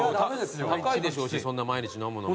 高いでしょうしそんな毎日飲むの。